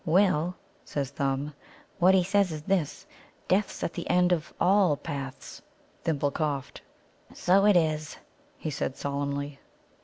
"Well," says Thumb, "what he says is this: 'Death's at the end of all paths.'" Thimble coughed. "So it is," he said solemnly.